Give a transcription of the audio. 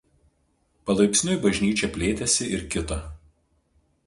Palaipsniui bažnyčia plėtėsi ir kito.